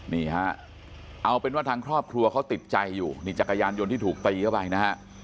นี่ฮะเอาเป็นว่าทางครอบครัวเขาติดใจอยู่นี่จักรยานยนต์ที่ถูกตีเข้าไปนะฮะ